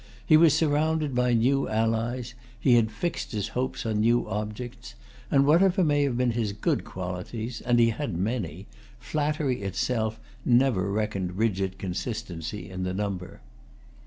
He was surrounded by new allies; he had fixed his hopes on new objects; and whatever may have been his good qualities,—and he had many,—flattery itself never reckoned rigid consistency in the number.